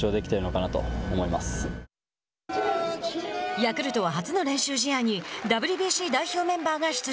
ヤクルトは初の練習試合にＷＢＣ代表メンバーが出場。